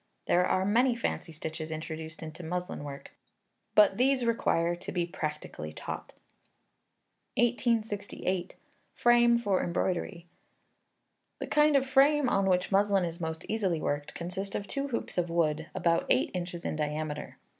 There are many fancy stitches introduced into muslin work, but these require to be practically taught. 1868. Frame for Embroidery. The kind of frame on which muslin is most easily worked, consists of two hoops of wood, about eight inches in diameter.